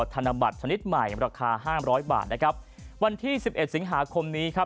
ธนบัตรชนิดใหม่ราคาห้ามร้อยบาทนะครับวันที่สิบเอ็ดสิงหาคมนี้ครับ